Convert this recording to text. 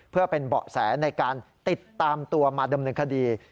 เพื่อเป็นเบาะแสในการติดตามตัวมาดำเนินคดี